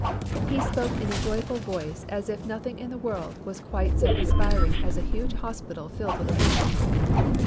He spoke in a joyful voice as if nothing in the world was quite so inspiring as a huge hospital filled with patients.